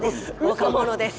若者です。